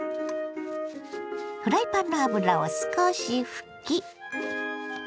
フライパンの油を少し拭き。